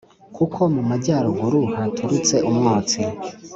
kuko mu majyaruguru haturutse umwotsi,